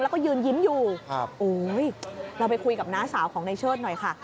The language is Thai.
แล้วก็ยืนยิ้มอยู่ครับโอ้ยเราไปคุยกับน้าสาวของนายเชิดหน่อยค่ะ